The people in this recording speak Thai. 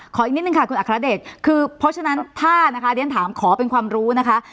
อีกนิดนึงค่ะคุณอัครเดชคือเพราะฉะนั้นถ้านะคะเรียนถามขอเป็นความรู้นะคะ